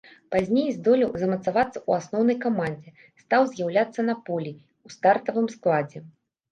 Пазней здолеў замацавацца ў асноўнай камандзе, стаў з'яўляцца на полі ў стартавым складзе.